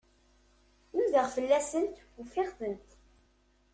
Nudaɣ fell-asent, ufiɣ-tent.